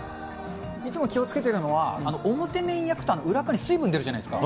いつも気をつけてるのは、表面焼くと裏側に水分出るじゃないですか。